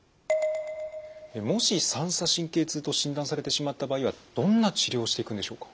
もし三叉神経痛と診断されてしまった場合はどんな治療をしていくんでしょうか？